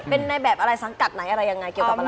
เป็นในแบบอะไรสังกัดไหนอะไรยังไงเกี่ยวกับอะไร